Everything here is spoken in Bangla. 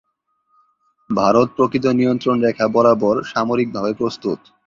ভারত প্রকৃত নিয়ন্ত্রণ রেখা বরাবর সামরিকভাবে প্রস্তুত।